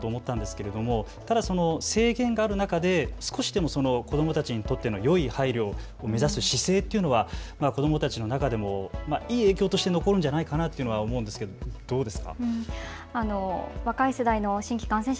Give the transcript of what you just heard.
本当に大人や教育者の皆さんも難しい判断だなと思ったのですが、制限がある中で少しでも子どもたちにとってもよい配慮を目指す姿勢というのは子どもたちの中でもいい影響として残るんじゃないかなと思うんですがどうですか。